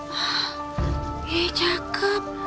hah ih cakep